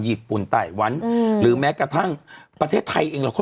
ญี่ปุ่นไต่วันหรือแม้กระทั่งประเทศไทยเองเราก็